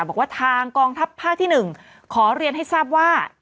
บอกว่าทางกองทัพภาคที่๑ขอเรียนให้ทราบว่า